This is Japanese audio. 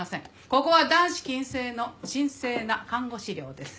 ここは男子禁制の神聖な看護師寮です。